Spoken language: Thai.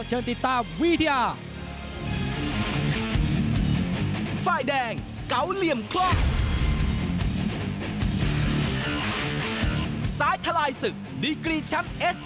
เชิญติดตามวิทยา